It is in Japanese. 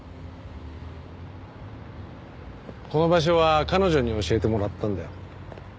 この場所は彼女に教えてもらったんだよ。